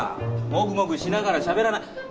もぐもぐしながらしゃべらない。